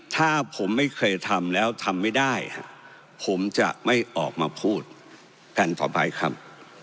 ถ้าผมไม่เคยทำแล้วทำไม่ได้ผมจะไม่ออกมาพูดกันต่อไปครับ